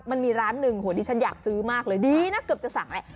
มันมีร้านหนึ่งโหดิฉันอยากซื้อมากเลยดีนะเกือบจะสั่งแล้ว